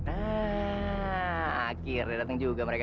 akhirnya datang juga mereka